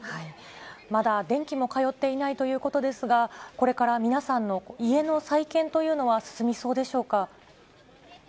まだ電気も通っていないということですが、これから皆さんの家の再建というのは進みそうでしょうか。